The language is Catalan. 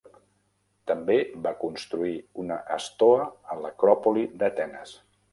També va construir una estoa a l'acròpoli d'Atenes.